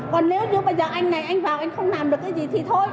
còn nếu như bây giờ anh này anh vào anh không làm được cái gì thì thôi